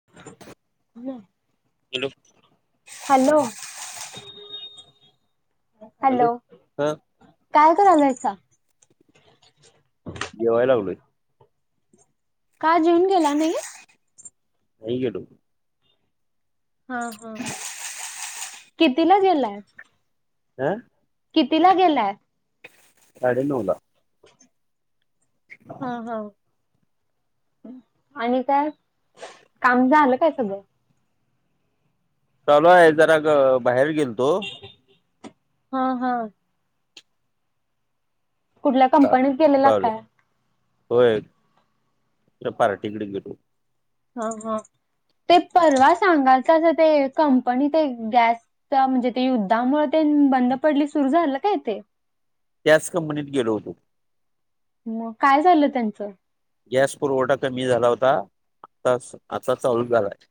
ह [inaudible] [inaudible] hello hello हा [unintelligible] जेवाय लागलोय का जेऊन गेला नाही [unintelligible] हा हा कितीला गेलाय हा किती ला गेलाय अडी नला [inaudible] हा हा. आणि काय काम झा आलं काय सगळं चालू आहे जरास बाहेर गेल तो. हा हा. कुठल्या का- कंपनीत गेलेलास चालेल काय? होय त्या पार्टीकडे गेलो. [unintelligible] तर म्हणजे ते युद्धामुळे ते बंद पडली सुरु झालं काय ते? त्याच कंपनीत गेलो होतो. मग काय झालं त्यांचं? गॅस पुरवठा कमी झाला होता आता आता चालू झालाय.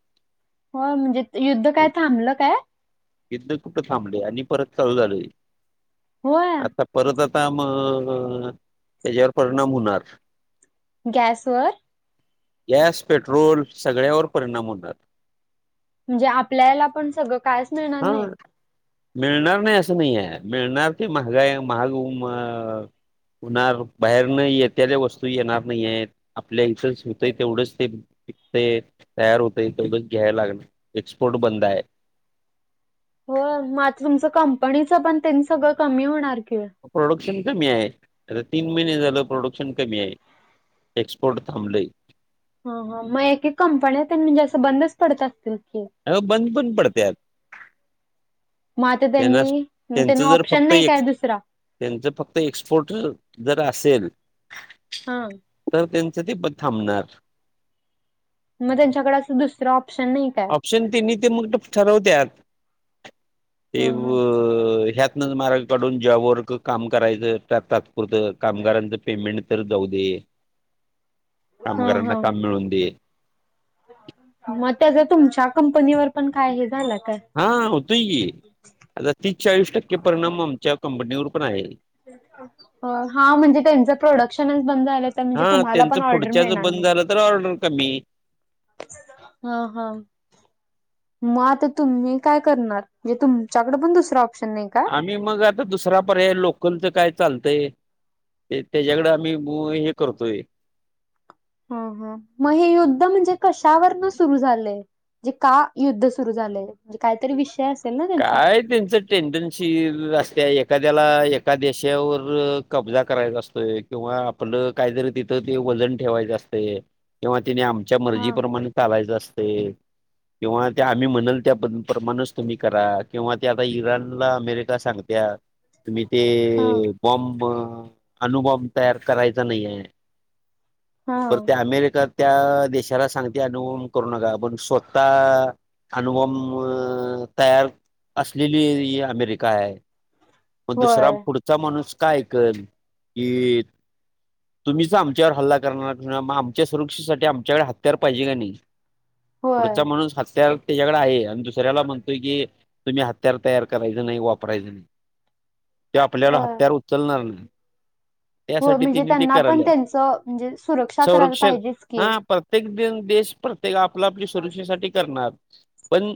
हो म्हणजे युद्ध काय थांबलं काय? युद्ध कुठ थांबले आणि परत चालू झालय होय आता. [unintelligible] गॅस वर. गॅस, पेट्रोल सगळ्यावर परिणाम होणार. म्हणजे आपल्याला पण सगळं. कायच मिळणार नाही. होय. [unintelligible] [unintelligible] आपल्या इचच होतय तेवढंच ते. ते तयार होते तेढच घ्या लागणार एक्सपोर्ट बंद आहे. हो मात तुमचं कंपनीच पण त्यांनी सगळं कमी होणार कि? प्रोडक्शन कमी आहे आता तीन महिने झालं प्रोडक्शन कमी आहे. एक्सपोर्ट थांबले. ह हा मग एक कंपन्या म्हणजे असं बंदच पडत असतील की. अआता बंद पण पडत्यात. मग आता त्यांना त्यांनी त्यांचं त्यांना जर ऑप्शन फक्त नाही एक काय दुसरा? त्यांचं फक्त एक्सपोर्ट जर असेल. हा. तर त्याचं ते थांबणार. मग त्यांच्याकड असं दुसरं ऑप्शन नाही का? ह ह [unintelligible] [unintelligible] [inaudible] कामगारांना काम ह मिळून दे. मग त्याच तुमच्या कंपनीवर पण काय हे झालं काय? हा होतोय की आता तीस-चाळीस टक्के परिणाम आमच्या कंपनीवर पण आहे. हा म्हणजे त्यांच प्रोडक्शनच बंद झालं तर म्हणजे हा तुम्हाला त्यांचं पण ऑर्डर पुढच्याच मिळणार नाही. [unintelligible] ऑर्डर कमी. हा हा. मग आता तुम्ही काय करणार? म्हणजे तुमच्याकडे पण दुसरा ऑप्शन नाही का. आम्ही मग आता दुसरा पर्याय लोकलचं काय चालतंय. ते त्याच्याकडे आम्ही हे करतोय. ह हा, मग हे युद्ध म्हणजे कशावरन सुरू झालंय? म्हंजे का युद्ध सुरु झालंय? म्हणजे काहीतरी विषय अस काय त्यांच. टेंडन्सी अ असते एखाद्याला एका देशावर कब्जा करायचा असतोय किंवा आपलं काहीतरी तिथं ते वजन ठेवायचं असतेय किंवा तिने आमच्या हा मर्जीप्रमाणे चालायच असतय किंवा त्या आम्ही म्हणल त्या प प्रमाण तुम्ही करा किंवा ते आता इराण ला अमेरिका सांगत्या. तुम्ही हा ते बॉम्ब. अनुबॉम्ब तयार करायचा नाही आहे हा पर ते अमेरिक. त्या देशाला सांगते अनुभम करू नका पण स्वतः अनुबॉम्ब. तयार असलेली अ इ अमेरिका आहे पण दुसरा होय पुढ चा माणूस काय की. तुम्हीच आमच्यावर हल्ला करणार मग आमच्या सुरक्षेसाठी आमच्याकडे हत्यार पाहिजे का नाही. [inaudible] पुढचा म्हणून हत्यार त्याच्याकडे आहे आणि दुसऱ्याला म्हण ते की तुम्ही हत्यार तयार करायचं नाही वापरायचं नाही. ते आपल्याला होय हत्यार उचलणार नाही. हो त्यासाठी म्हणजे तिने ते त्यांना पण करायले त्यांचं म्हणजे सुरक्षा करायला संरक्षण पाहिजेच की. हा प्रत्येक दि देश प्रत्येक आपल्या आपली सुरक्षेसाठी करणार पण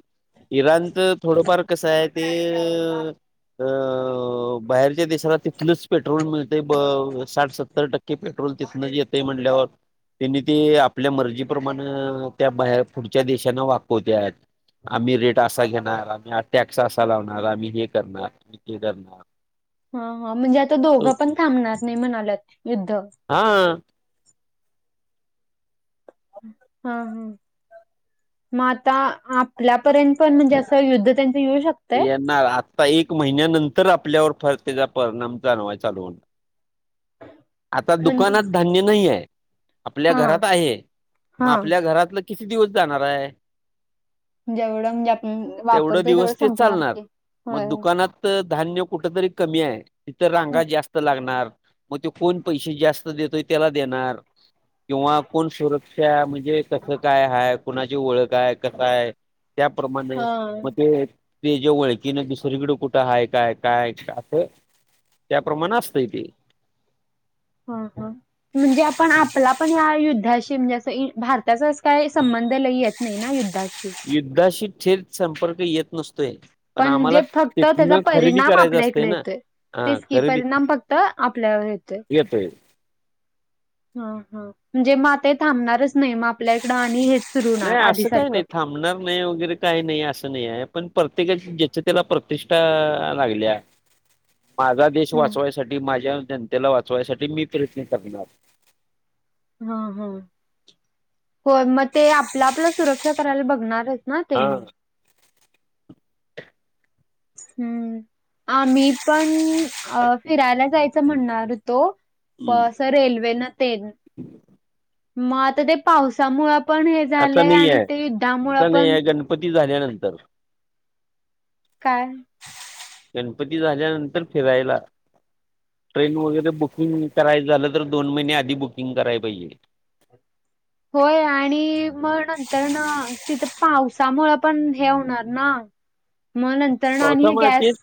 इराणचं थोडंफार कसं आहे ते. अ बाहेरच्या देशाला तिथलंच पेट्रोल मिळत साठ सत्तर टक्के की पेट्रोल तिथण येते म्हटल्यावर त्यांनी ते आपल्या मर्जीप्रमाण अ त्या बाहेर पुढच्या देशांना वाकवत्यात. आम्ही रेड. डासा घेणार आम्ही टॅक्स असा लावणार आम्ही हे करणार आम्ही ते करणार. हा हा म्हणजे आता दोघं पण थांबणार नाही म्हणाल्यात युद्ध. हा. हा हा मात आप आपल्यापर्यंत पणजे असं युद्ध त्यांच येऊ शकत येणार आत्ता एक महिन्यानंतर आपल्यावर फर त्याचा परिणाम जाणवाय चालू होणार. आता म्हणजे दुकानात धान्य नाही आहे आपल्या हा घरात आहे मग हा आपल्या घरातलं किती दिवस जाणार आहे. जेवढं म्हणजे आपण वापरतोय तेवढं दिवस ते संपणार चालणार की होय. मग दुकानात धान्य कुठेतरी कमी आहे तिथं रांगा जास्त लागणार. मग ते कोण पैसे जास्त देतोय त्याला देणार किंवा कोण शर शा म्हणजे कसं काय हय कुणाची ओळख आहे कस आहे. त्याप्रमाणे हा मग ते ते जे ओळखीन दुसरीकडे कुठं आहे काय काय असं त्याप्रमाण असतय ते. हा हा. म्हणजे आपण आपला पण या युद्धाशी म्हणजे असं इ भारताचा असं काय संबंध लय येत नाही ना युद्धाशी. युद्धाशी थेट संपर्क येत नसतोय. पण म्हणजे आम्हाला फक्त त्याचा तिथनं खरेदी परिणाम करायचं आपल्या असतंय इकडे ना येतोय. हा तेचकी खरेदी परिणाम फक्त आपल्यावर होेतोय. तेय. हा हा म्हणजे म ते थांबणारच नाही मग आपल्या इकडं आणि हेच सुरू नाही होणार आधी असं काही सारखं. नाही थांबणार. नाही वगैरे काही नाही असं नाही आहे पण प्रत्येकाची ज्याच्या त्याला प्रतिष्ठा लागल्या. माझा देश हम्म वाचवायसाठी माझ्या जनतेला वाचवायसाठी मी प्रयत्न करणार. हा हा होय मग ते आपलं आपला सुरक्षा करायला बघणारच ना हां तेनी. हम्म आम्ही पण अ फिरायला जायचं म्हणणार होतो प हं. असं रेल्वे न तेन मग आता ते पावसामुळे पण हे झालंय आणि ते युद्धामुळे पण पती झाल्यानंतर काय. गणपती झाल्यानंतर फिरायला ट्रेन वगैरे बुकिंग करायच झालं तर दोन महिने आधी बुकिंग कराय पाहिजे. होय आणि मग नंतर ना तिथं पावसामुळ पण हे होणार ना. [inaudible] [inaudible] ना आता आणि गॅस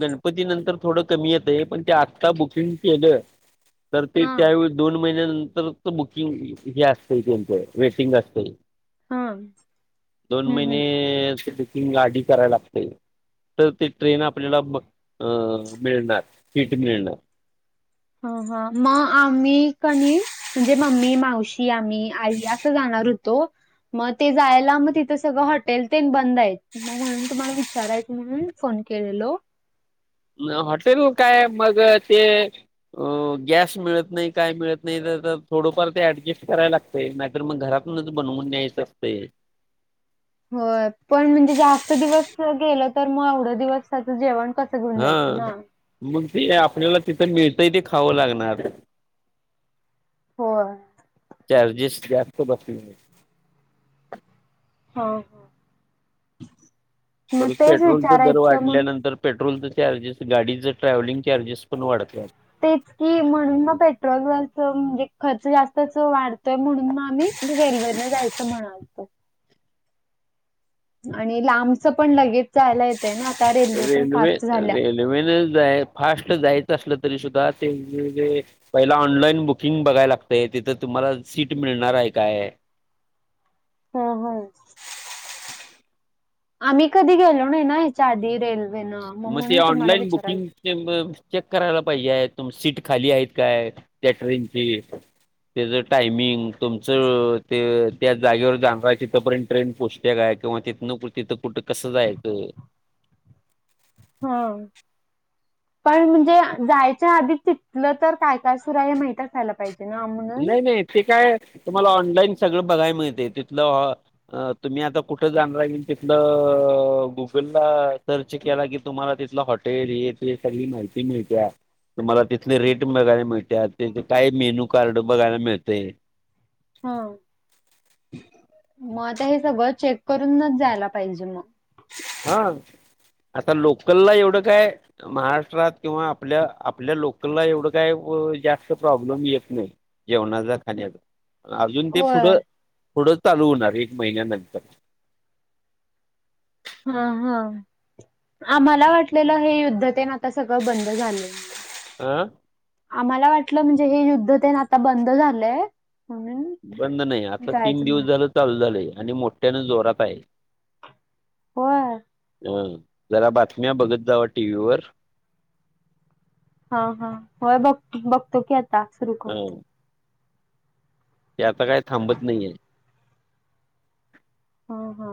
गणपती नंतर थोडं कमी येतय पण ते आत्ता बुकिंग केलं तर ते हा त्यावेळी दोन महिन्यानंतर त बुकिंग हे असते त्यांच वेटिंग असते हा दोन हम्म हम्म महिने चं बुकिंग आधी करायला तर ते ट्रेन आपल्याला मिळणार सीट मिळणार हा हा मग आम्ही कनी म्हणजे मम्मी मावशी आम्ही आई असं जाणार होतो मग ते जायला मग तिथं सगळं हॉटेल तेनं बंद आहेत मग म्हणून तुम्हाला विचारायचं म्हणून फोन केलेलो हॉटेल काय मग ते अ गॅस मिळत नाही काय मिळत नाही तर थोडंफार ते ऍडजस्ट करायला लागत तय नाहीतर मग घरातूनच बनवून घ्यायचं असते हो पण म्हणजे जास्त दिवस गेलं तर मग एवढं दिवसाचं जेवण कस हा मग ते आपल्याला तिथं मिळतंय ते खावं लागणार हो चार्जेस जास्त बसणार हा मग परत तेच पेट्रोलचा दर विचारायचं म्हणून वाढल्यानंतर पेट्रोलचं चार्जेस गाडीचं ट्रॅव्हलिंग चार्जेस पण वाढत्यात तेच की म्हणून म पेट्रोलवरच म्हणजे खर्च जास्तच वाढतोय म्हणून म आम्ही रेल्वे न जायचं म्हनालतो आणि लांबच पण लगेच जायला येते ना आता रेल्वे पण फास्ट झाल्या नवीन फास्ट जायचं असलं तरी सुद्धा तेे पहिला ऑनलाइन बुकिंग बघायला लागतेय तिथं तुम्हाला सीट मिळणार आहे काय हा हा आम्ही कधी गेलो नाही ना ह्याच्या आधी रेल्वेनं मग ते म्हणून तुम्हाला ऑनलाईन विचाराल बुकिंग चेक करायला पाहिजे तुम सीट खाली आहेत काय त्या ट्रेनची त्याच टायमिंग तुमचं ते त्या जागेवर जाणारा तिथपर्यंत ट्रेन पोच तेेग आहे किंवा तिथ न तिथं कुठं कसं जायचं हम पण म्हणजे जायच्या आधी तिथलं तर काय काय सुरु आहे हे माहित असायला पाहिजे [inaudible] नाही नाही ते काय तुम्हाला ऑनलाईन सगळं बघायला मिळते तिथलं अ तुम्ही आता कुठे जाणार रा तिथलं गुगलला सर्च केला की तुम्हाला तिथलं हॉटे टेल हे ते सगळी माहिती मिळत्या तुम्हाला तिथले रेट बघायला मिळत्यात तिथं काय मेनू कार्ड बघायला मिळते हा मग आता हे सगळं चेक करूनच जायला पाहिजे मग हा आता लोकलला एवढं काय महाराष्ट्रात किंवा आपल्या आपल्या लोकलला एवढं काय जास्त प्रॉब्लेम येत नाही जेवणाचा खाण्याचा अजुन ते होय पुढं पुढं चालू होणार एक महिन्यानंतर हा हा आम्हाला वाटलेलं हे युद्धतेन आता सगळं बंद झालं आं आम्हाला वाटलं म्हणजे हे युद्ध तेन आता बंद झालंय म्हणून बंद नाही आता तीन जायचं दिवस म्हणून झालं चालू झालंय आणि मोठ्यानं जोरात आहे. होय. ह जरा बातम्या बघत जावा टीव्हीवर. हा हा होय बघ बघतो की आता सुरू हं करतो. ते आता काय थांबत नाहीये. हो हा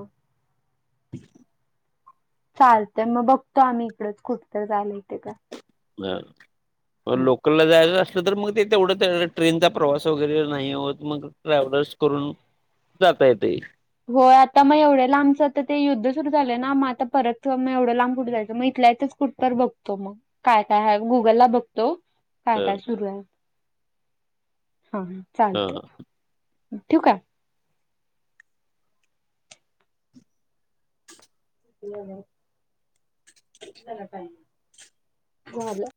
[unintelligible] चालतय मग बघतो आम्ही इकडच कुठ तर जायला येते का मग पण लोक तूला जायला असलं तर मग ते तेवढं ट्रेनचा प्रवास वगैरे नाही होत मग ट्रॅव्हलर्स करून जात येतयं होय आता मग एवढं लांबचं तर ते युद्ध सुरू झालंयं ना मग आता परत मग एवढं लांब कुठ जायचं मग इथल्या इथच कुठ तर बघतो मग काय काय गुगल बघ तो काय हं काय सुरू आहे हा हा चालतयं हं ठिव कायं [unintelligible] झाल